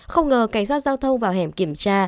không ngờ cảnh sát giao thông vào hẻm kiểm tra